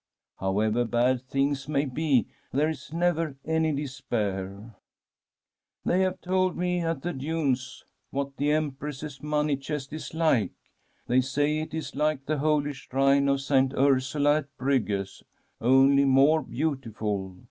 However bad things may be, there is never any despair. [286 1 Tbt Emfrest^s MONEY CHEST %<« They have told me at the dunes what the Empress's money chest is like. They say it is like the holy shrine of Saint Ursula at Bruges, only more beautiful.